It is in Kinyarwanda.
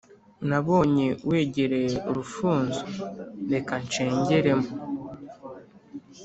nabonye wegereye urufunzo reka ncengeremo